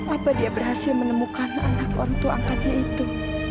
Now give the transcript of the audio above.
apa dia berhasil menemukan anak waktu angkatnya itu